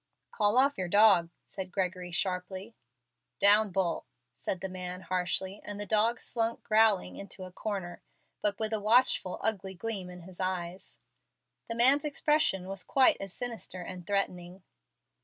"Call off your dog," said Gregory, sharply. "Down, Bull," said the man, harshly, and the dog slunk growling into a corner, but with a watchful, ugly gleam in his eyes. The man's expression was quite as sinister and threatening.